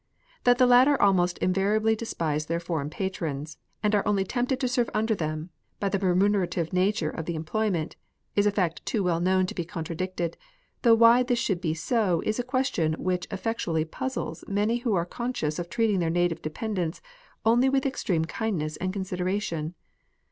That the latter almost invariably despise their foreign patrons, and are only tempted to serve under them by the remu nerative nature of the employment, is a fact too well known to be contradicted, though why this should be so is a question which effectually puzzles many who are conscious of treating their native dependants only with extreme kindness and consideration.